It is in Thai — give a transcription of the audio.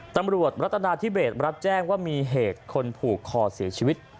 ตำรวจรัฐนาธิเบสรับแจ้งว่ามีเหตุคนผูกคอเสียชีวิต